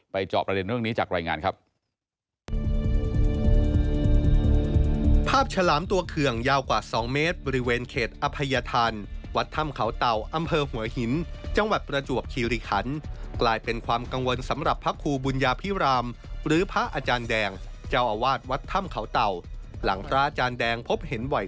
จอบประเด็นเรื่องนี้จากรายงานครับ